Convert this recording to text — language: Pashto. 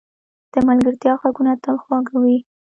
د ملګرتیا ږغونه تل خواږه وي.